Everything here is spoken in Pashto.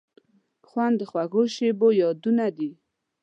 خوند د خوږو شیبو یادونه دي.